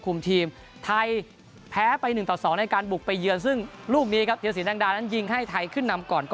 ทีมไทยแพ้ไป๑ต่อ๒ในการบุกไปเยือนซึ่งลูกนี้ครับเทียรสินแดงดานั้นยิงให้ไทยขึ้นนำก่อน